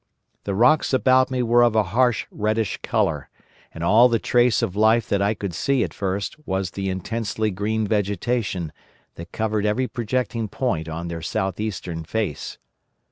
The rocks about me were of a harsh reddish colour, and all the trace of life that I could see at first was the intensely green vegetation that covered every projecting point on their south eastern face.